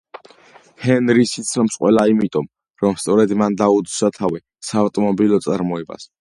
ჰენრის იცნობს ყველა იმიტომ, რომ სწორედ მან დაუდო სათავე საავტომობილო წარმოებას.